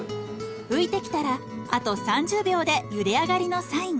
浮いてきたらあと３０秒でゆで上がりのサイン。